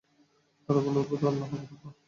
তারা বলল, অদ্ভুত আল্লাহর মাহাত্ম্য!